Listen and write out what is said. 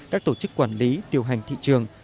các tổ chức quản lý tiêu hành thị trường